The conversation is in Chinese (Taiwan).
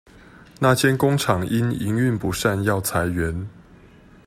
那間工廠因營運不善要裁員